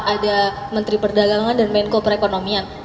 ada menteri perdagangan dan menko perekonomian